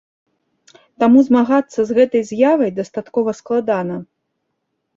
Таму змагацца з гэтай з'явай дастаткова складана.